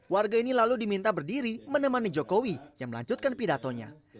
warga ini lalu diminta berdiri menemani jokowi yang melanjutkan pidatonya